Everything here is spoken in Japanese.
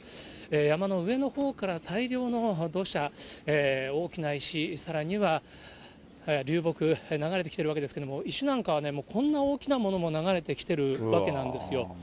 山の上のほうから大量の土砂、大きな石、さらには流木、流れてきてるわけなんですけれども、石なんかはもうこんな大きなものも流れてきてるわけなんですよ。